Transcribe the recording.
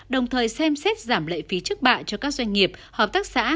đồng thời xem xét giảm lệ phí trước bạ cho các doanh nghiệp hợp tác xã